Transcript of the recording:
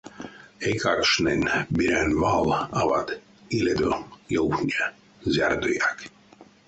Эйкакшнень берянь вал, ават, илядо ёвтне зярдояк.